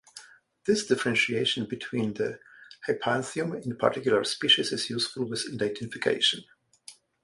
This differentiation between the hypanthium in particular species is useful with identification.